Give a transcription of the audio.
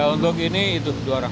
untuk ini itu dua orang